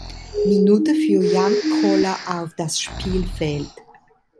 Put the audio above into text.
Minute für Jan Koller auf das Spielfeld.